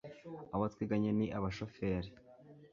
Abo twiganye ni abashoferi